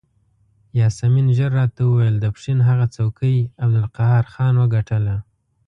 یاسمین ژر راته وویل د پښین هغه څوکۍ عبدالقهار خان وګټله.